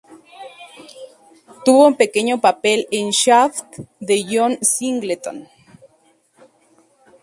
Tuvo un pequeño papel en "Shaft" de John Singleton.